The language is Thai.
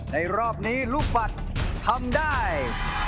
รอบนี้ลูกฝัดทำได้